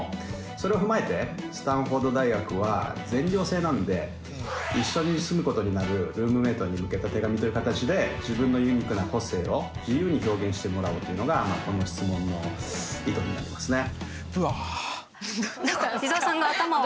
それを踏まえてスタンフォード大学は全寮制なんで一緒に住むことになるルームメイトに向けた手紙という形で自分のユニークな個性を自由に表現してもらおうというのがこの質問の意図になりますね。